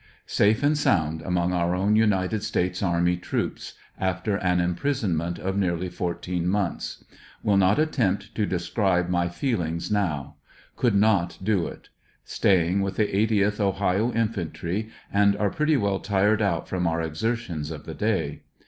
— Safe and sound among our own United States Army troops, after an imprisonment of nearly fourteen months. Will not attempt to describe my feelings now. TEE STARS AND STRIPES. 155 Could not do it. Staying with the 80th Ohio Infantry, and are pret ty well tired out from our exertions of the day.